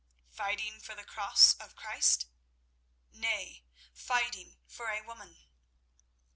"Fighting for the Cross of Christ?" "Nay; fighting for a woman."